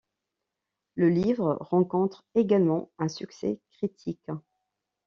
Le livre rencontre également un succès critique.